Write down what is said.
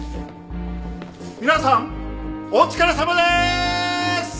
皆さんお疲れさまでーす！